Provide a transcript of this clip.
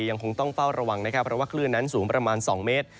ยังคงต้องเฝ้าระวังนะครับเพราะว่าคลื่นนั้นสูงประมาณ๒เมตร